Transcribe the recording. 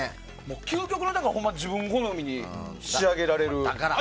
究極の自分好みに仕上げられる。